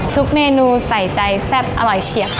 ทุกเมนูใส่ใจแซ่บอร่อยเฉียบค่ะ